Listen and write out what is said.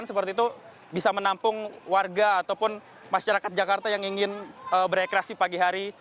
seperti itu bisa menampung warga ataupun masyarakat jakarta yang ingin berekreasi pagi hari